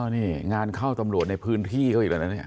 นี่งานเข้าตำรวจในพื้นที่เขาอีกแล้วนะเนี่ย